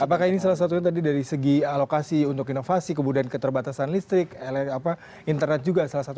apakah ini salah satunya tadi dari segi alokasi untuk inovasi kemudian keterbatasan listrik internet juga salah satu